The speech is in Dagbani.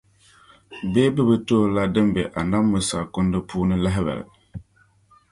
Bee bɛ bi ti o la din be Anabi Musa kundili puuni lahibali?